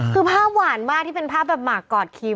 คือภาพหวานมากที่เป็นภาพแบบหมากกอดคิว